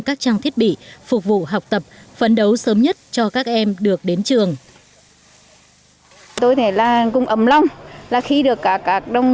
các trang thiết bị phục vụ học tập phấn đấu sớm nhất cho các em được đến trường